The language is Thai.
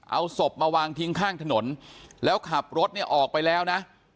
เอาศพมาวางทิ้งข้างถนนแล้วขับรถเนี่ยออกไปแล้วนะ